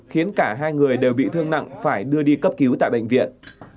khiến cả hai người đều bị thương nặng phải đưa đi cấp cứu tại bệnh viện